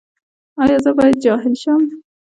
ایا زه باید جاهل شم؟